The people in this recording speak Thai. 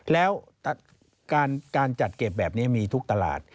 แล้วการจัดเก็บแบบนี้มีทุกตลาด